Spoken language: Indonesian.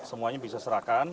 semuanya bisa diserahkan